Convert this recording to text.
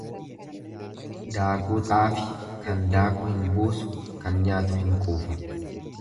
Daakuu xaafi kan daaku hin buusu kan nyaatu hin quufa.